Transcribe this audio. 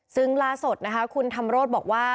ซึ่งล่าสุดนะคะคุณธรรมโรธบอกว่า